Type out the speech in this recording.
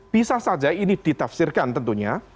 bisa saja ini ditafsirkan tentunya